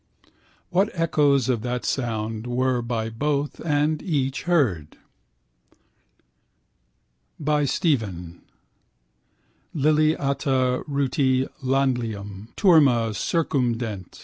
What echoes of that sound were by both and each heard? By Stephen: Liliata rutilantium. Turma circumdet.